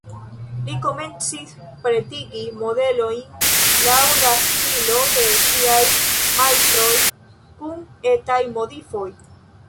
Li komencis pretigi modelojn laŭ la stilo de siaj majstroj, kun etaj modifoj.